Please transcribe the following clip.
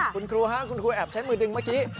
คุณครูฮะคุณครูแอบใช้มือดึงเมื่อกี้